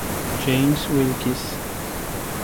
James Wilkes